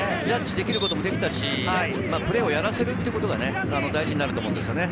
ジャッジできることもできたし、プレーをやらせるってことが大事になると思いますか。